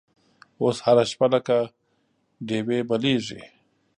اوس هره شپه لکه ډیوې بلیږې